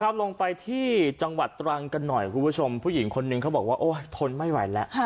ลงไปที่จังหวัดตรังกันหน่อยคุณผู้ชมผู้หญิงคนนึงเขาบอกว่าโอ้ยทนไม่ไหวแล้ว